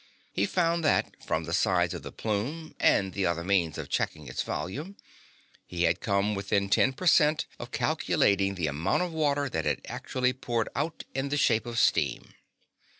He found that from the size of the plume and the other means of checking its volume, he had come within ten per cent of calculating the amount of water that had actually poured out in the shape of steam."